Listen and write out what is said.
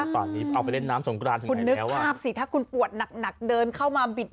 ป่านนี้เอาไปเล่นน้ำสงกรานถึงคุณนึกภาพสิถ้าคุณปวดหนักเดินเข้ามาบิด